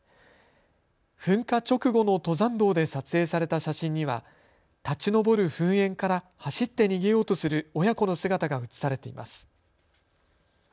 噴火直後の登山道で撮影された写真には立ち上る噴煙から走って逃げようとする親子の姿が写されています。